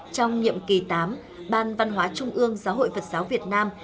trong nhiệm kỳ tám ban văn hóa trung ương giáo hội phật giáo việt nam